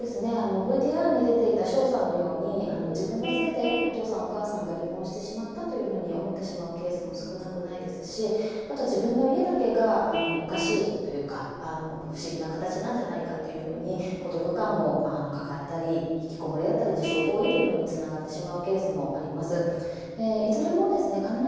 ＶＴＲに出ていた翔さんのように、自分のせいでお父さん、お母さんが離婚してしまったというふうに思ってしまうケースも少なくないですし自分の家だけがおかしいというか不思議な形なんじゃないかと思ったり孤独感を抱えたり引きこもりだったり自傷行為っていうのにつながってしまうケースもあります。